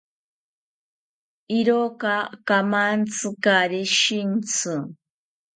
Iroka kamantzi kaari shintzi